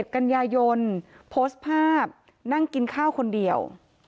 กันยายนโพสต์ภาพนั่งกินข้าวคนเดียว